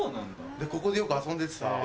ここでよく遊んでてさぁ。